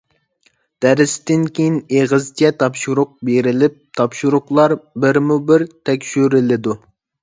دەرستىن كېيىن ئېغىزچە تاپشۇرۇق بېرىلىپ، تاپشۇرۇقلار بىرمۇبىر تەكشۈرۈلىدۇ.